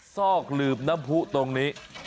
ซอกหลืบน้ำผู้ตรงนี้